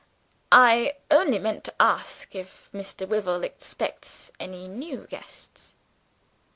"I only meant to ask if Mr. Wyvil expects any new guests?"